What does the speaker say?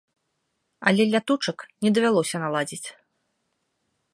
Але лятучак не давялося наладзіць.